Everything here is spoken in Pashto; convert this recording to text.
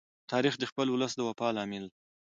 تاریخ د خپل ولس د وفا لامل دی.